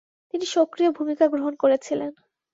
তিনি সক্রিয় ভূমিকা গ্রহণ করেছিলেন।